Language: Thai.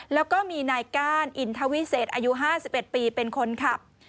แล้วก็มีนายก้านอินทวิเศษอายุ๕๑ปีเป็นคนขับ